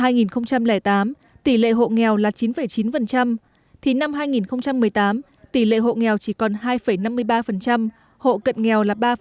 năm hai nghìn tám tỷ lệ hộ nghèo là chín chín thì năm hai nghìn một mươi tám tỷ lệ hộ nghèo chỉ còn hai năm mươi ba hộ cận nghèo là ba bốn